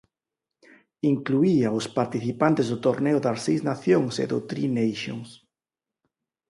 Incluía aos participantes do Torneo das Seis Nacións e do Tri Nations.